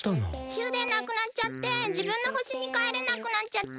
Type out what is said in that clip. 終電なくなっちゃってじぶんのほしにかえれなくなっちゃって。